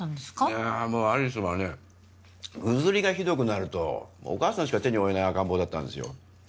いやあもう有栖はねぐずりがひどくなるとお母さんしか手に負えない赤ん坊だったんですよ